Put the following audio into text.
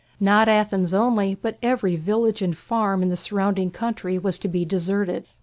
Not Athens only, but every village and farm in the surrounding country was to be deserted.